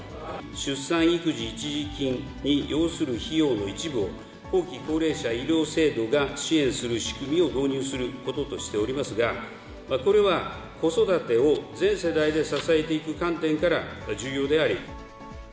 出産育児一時金に要する費用の一部を、後期高齢者医療制度が支援する仕組みを導入することとしておりますが、これは子育てを全世代で支えていく観点から重要であり。